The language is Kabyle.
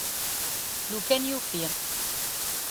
Lukan yufi.